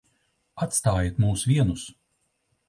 Atstājiet mūs vienus.